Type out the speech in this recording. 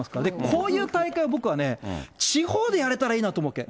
こういう大会、僕はね、地方でやれたらいいなと思うわけ。